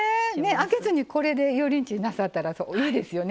揚げずにこれで油淋鶏なさったらいいですよね